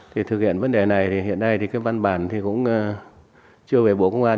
thực hiện vấn đề này hiện nay văn bản chưa về bộ công an